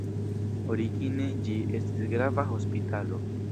Origine ĝi estis grava hospitalo.